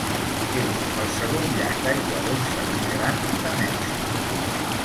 És el segon llac d'aigua dolça més gran de Mèxic.